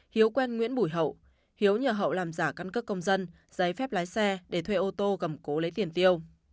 hiếu quen nguyễn bùi hậu hiếu nhờ hậu làm giả căn cước công dân giấy phép lái xe để thuê ô tô gầm cố lấy tiền tiêu